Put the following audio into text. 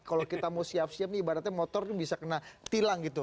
kalau kita mau siap siap nih ibaratnya motor ini bisa kena tilang gitu